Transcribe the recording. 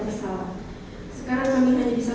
bersalah sekarang kami hanya bisa